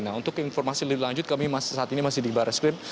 nah untuk informasi lebih lanjut kami saat ini masih di barreskrim